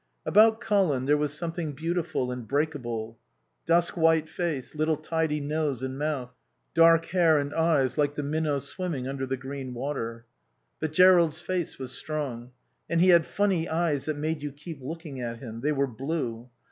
About Colin there was something beautiful and breakable. Dusk white face; little tidy nose and mouth; dark hair and eyes like the minnows swimming under the green water. But Jerrold's face was strong; and he had funny eyes that made you keep looking at him. They were blue.